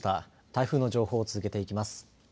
台風の情報を続けていきます。